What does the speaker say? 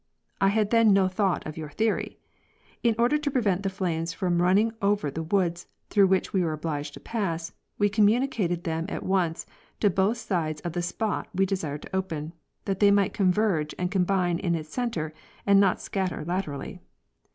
I had then no thought of your theory. In order to prevent the flames from running over the woods, through which we were obliged to pass, we communicated them at once to both sides of the spot we desired to open, that they might converge and combine in its center and not scatter later aly.